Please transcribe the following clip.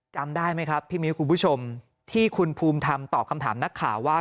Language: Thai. จำได้ไหมครับพี่มิ้วคุณผู้ชมที่คุณภูมิธรรมตอบคำถามนักข่าวว่า